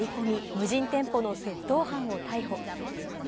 無人店舗の窃盗犯を逮捕。